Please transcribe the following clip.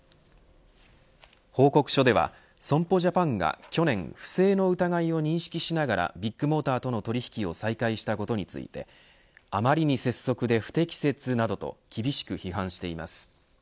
報告書では損保ジャパンが去年不正の疑いを認識しながらビッグモーターとの取引を再開したことについてあまりに拙速で不適切などと厳しく批判しています。